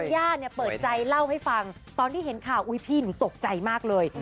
ย่าเนี่ยเปิดใจเล่าให้ฟังตอนที่เห็นข่าวอุ๊ยพี่หนูตกใจมากเลย